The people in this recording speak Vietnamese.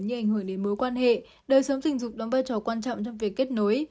như ảnh hưởng đến mối quan hệ đời sống tình dục đóng vai trò quan trọng trong việc kết nối